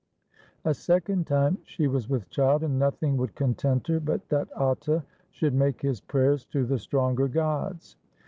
A second time she was with child, and nothing would content her but that Atta should make his prayers to the stronger gods.